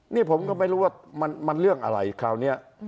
นี่ผมก็ไม่รู้ว่ามันเรื่องอะไรคราวนี้